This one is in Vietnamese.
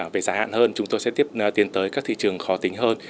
về giá hạn hơn chúng tôi sẽ tiếp tiến tới các thị trường khó tính hơn